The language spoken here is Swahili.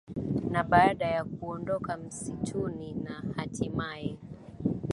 Na baada ya kuondoka msituni na hatimaye